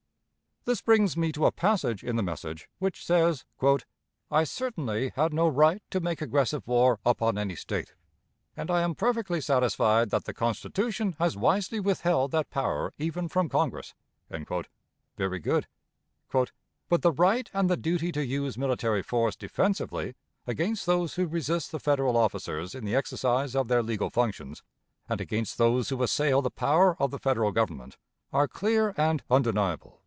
This brings me to a passage in the message which says: "I certainly had no right to make aggressive war upon any State; and I am perfectly satisfied that the Constitution has wisely withheld that power even from Congress" very good "but the right and the duty to use military force defensively against those who resist the Federal officers in the exercise of their legal functions, and against those who assail the power of the Federal Government, are clear and undeniable."